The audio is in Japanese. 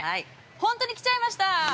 本当に来ちゃいました。